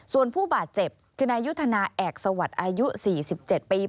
ส่วนผู้บาดเจ็บคือนายยุทธนาเอกสวัสดิ์อายุ๔๗ปี